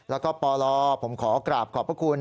แล้วก็ปลผมขอกราบขอบพระคุณ